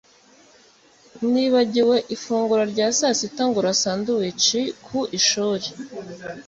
Nibagiwe ifunguro rya sasita ngura sandwich ku ishuri.